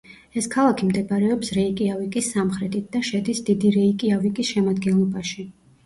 ეს ქალაქი მდებარეობს რეიკიავიკის სამხრეთით და შედის დიდი რეიკიავიკის შემადგენლობაში.